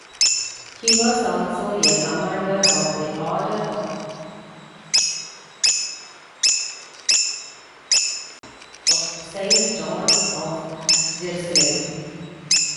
He was also a Commander of the Order of Saint John of Jerusalem.